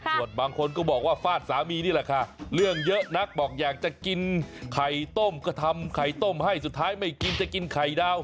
ส่วนบางคนก็บอกว่าฟาดสามีนี่แหละค่ะเรื่องเยอะนักบอกอยากจะกินไข่ต้มก็ทำไข่ต้มให้สุดท้ายไม่กินจะกินไข่ดาว